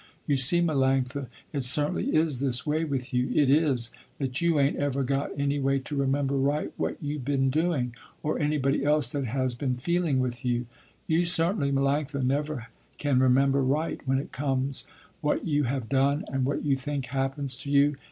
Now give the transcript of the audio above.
You see Melanctha, it certainly is this way with you, it is, that you ain't ever got any way to remember right what you been doing, or anybody else that has been feeling with you. You certainly Melanctha, never can remember right, when it comes what you have done and what you think happens to you."